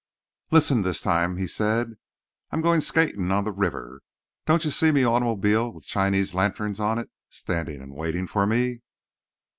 "Listen this time," said he. "I'm goin' skatin' on the river. Don't you see me automobile with Chinese lanterns on it standin' and waitin' for me?"